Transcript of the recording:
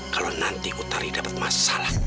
kalau nanti kutari dapat masalah